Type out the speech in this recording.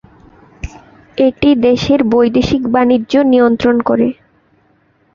এটি দেশের বৈদেশিক বাণিজ্য নিয়ন্ত্রণ করে।